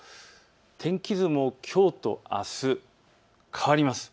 天気図もきょうとあす変わります。